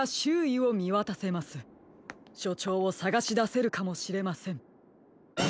しょちょうをさがしだせるかもしれません。